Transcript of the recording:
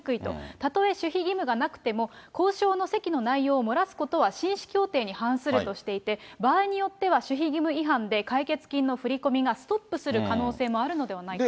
たとえ守秘義務がなくても交渉の席の内容を漏らすことは紳士協定に反するとしていて、場合によっては、守秘義務違反で、解決金の振り込みがストップする可能性もあるのではないか。